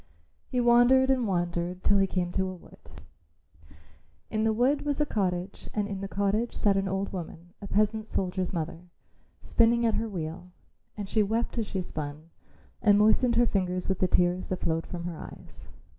He wandered and wandered till he came to a wood. In the wood was a cottage and in the cottage sat an old woman, a peasant soldier's mother, spinning at her wheel, and she wept as she spun and moistened her fingers with the tears that flowed from her eyes.